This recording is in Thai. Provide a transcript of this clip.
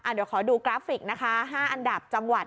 เดี๋ยวขอดูกราฟิกนะคะ๕อันดับจังหวัด